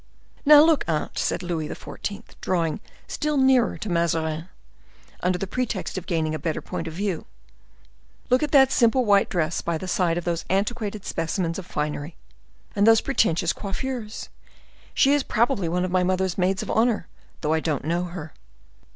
"Now, look, aunt," said Louis XIV., drawing still nearer to Mazarin, under the pretext of gaining a better point of view, "look at that simple white dress by the side of those antiquated specimens of finery, and those pretentious coiffures. She is probably one of my mother's maids of honor, though I don't know her."